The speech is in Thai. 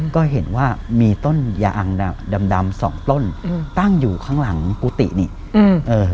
ก็เห็นว่ามีต้นยางดำ๒ต้นตั้งอยู่ข้างหลังกุฏินี่